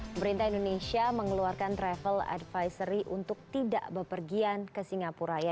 pemerintah indonesia mengeluarkan travel advisory untuk tidak bepergian ke singapura